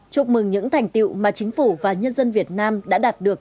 chúc mừng những thành tiệu mà chính phủ và nhân dân việt nam đã đạt được